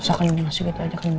susah kenyang masih gitu aja kenyang